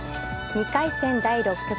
２回戦第６局。